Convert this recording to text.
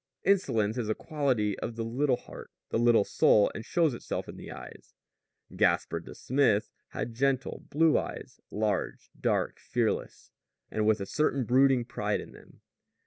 Insolence is a quality of the little heart, the little soul, and shows itself in the eyes. Gaspard the smith had gentle blue eyes, large, dark, fearless, and with a certain brooding pride in them.